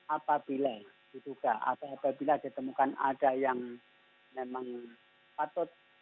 apabila ditemukan ada yang memang patut